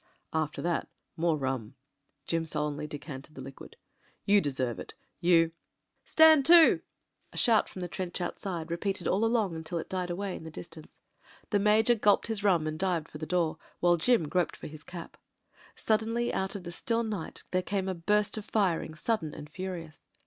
" "After that — ^more rum." Jim solemnly decanted the liquid. "You deserve it. You ..." "Stand to." A shout from the trench outside — re peated all along until it died away in the distance. The Major gulped his rum and dived for the door — while Jim groped for his cap. Suddenly out of the still night there came a burst of firing, sudden and furious.